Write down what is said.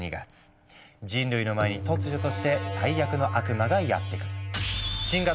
人類の前に突如として最悪の悪魔がやって来る。